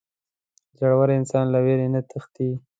• زړور انسان له وېرې نه تښتي.